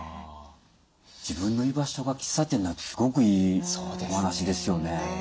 自分の居場所が喫茶店なんてすごくいいお話ですよね。